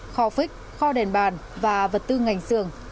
kho phích kho đèn bàn và vật tư ngành sường